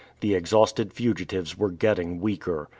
The exhausted fugitives were getting weaker.